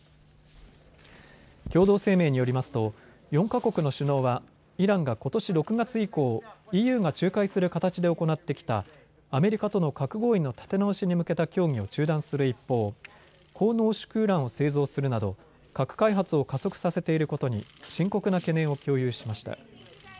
共同声明によりますと４か国の首脳はイランがことし６月以降、ＥＵが仲介する形で行ってきたアメリカとの核合意の立て直しに向けた協議を中断する一方、高濃縮ウランを製造するなど核開発を加速させていることに深刻な懸念を共有しました。